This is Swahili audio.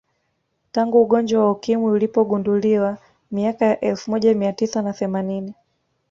Tangu ugonjwa wa Ukimwi ulipogunduliwa miaka ya elfu moja mia tisa na themanini